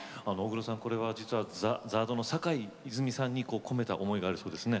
これは実はＺＡＲＤの坂井泉水さんに込めた思いがあるそうですね。